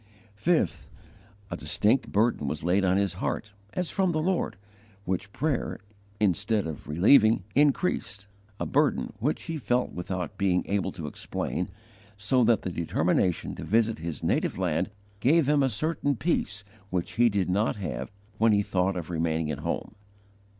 5. A distinct burden was laid on his heart, as from the Lord, which prayer, instead of relieving, increased a burden which he felt without being able to explain so that the determination to visit his native land gave him a certain peace which he did not have when he thought of remaining at home.